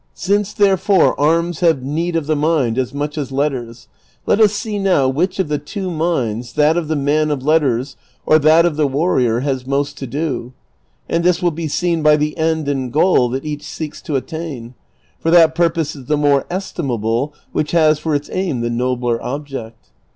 Since, therefore, arms have need of the mind, as much as letters, let us see now which of the two minds, that of the man of letters ^ or that of the warrior, has most to do ; and this will be seen by the end and goal that each seeks to attain ; for that purpose is the more estimable which has for its aim the nobler object.